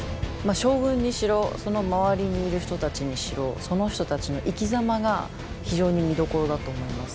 将軍にしろその周りにいる人たちにしろその人たちの生きざまが非常に見どころだと思います。